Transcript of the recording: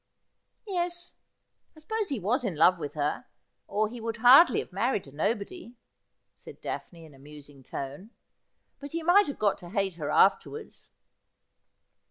' Yes, I suppose he was in love with her, or he would hardly have married a nobody,' said Daphne, in a musing tone ;' but he might have got to hate her afterwards.'